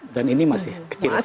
dan ini masih kecil sekali